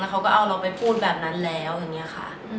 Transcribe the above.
เขาก็เอาเราไปพูดแบบนั้นแล้วอย่างนี้ค่ะ